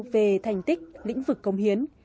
về thành tích lĩnh vực công hiến